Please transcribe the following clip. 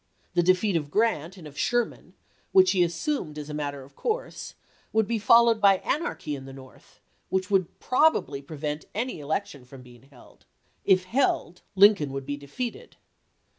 The defeat of Grrant and of Sherman, which he assumed as a matter of course, would be followed by anarchy in the North, which would probably prevent any election from being held ; if held Lincoln would be defeated.